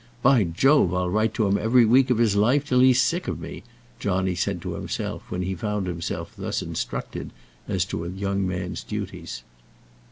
"By Jove, I'll write to him every week of his life, till he's sick of me," Johnny said to himself when he found himself thus instructed as to a young man's duties.